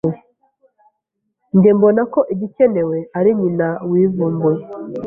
Njye mbona ko igikenewe ari nyina wivumbuye.